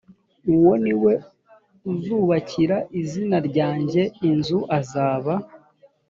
uwo ni we uzubakira izina ryanjye inzu azaba